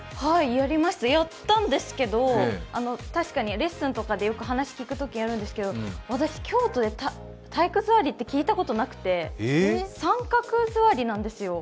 やったんですけど、レッスンとかで話聞いたことあるんですけど私、京都で体育座りって聞いたことなくて、三角座りなんですよ。